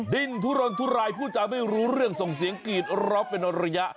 ดินทุรนทุรายพูดจะไม่รู้เรื่องส่องเสียงกลีตรอบเป็นอรยะ